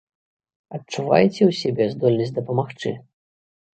Адчуваеце ў сабе здольнасць дапамагчы?